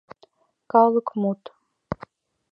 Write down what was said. Калык мут